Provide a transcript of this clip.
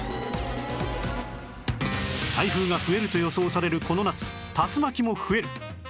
台風が増えると予想されるこの夏竜巻も増える！